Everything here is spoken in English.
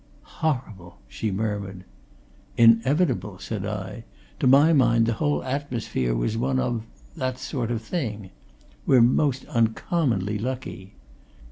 "Horrible!" she murmured. "Inevitable!" said I. "To my mind, the whole atmosphere was one of that sort of thing. We're most uncommonly lucky."